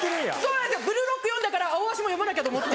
『ブルーロック』読んだから『アオアシ』も読まなきゃと思って。